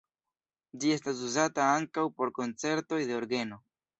Ĝi estas uzata ankaŭ por koncertoj de orgeno.